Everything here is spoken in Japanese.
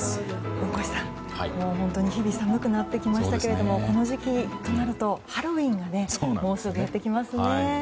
大越さん日々寒くなってきましたけれどもこの時期となるとハロウィーンがもうすぐやってきますね。